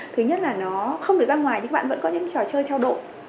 thứ nhất là nó không được ra ngoài thì các bạn vẫn có những trò chơi theo độ